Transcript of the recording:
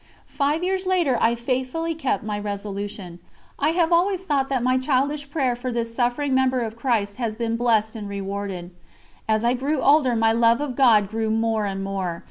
Five years later I faithfully kept my resolution. I have always thought that my childish prayer for this suffering member of Christ has been blessed and rewarded. As I grew older my love of God grew more and more.